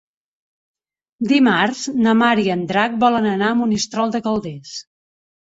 Dimarts na Mar i en Drac volen anar a Monistrol de Calders.